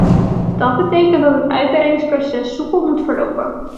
Dat betekent dat het uitbreidingsproces soepel moet verlopen.